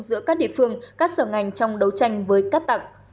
giữa các địa phương các sở ngành trong đấu tranh với cát tặng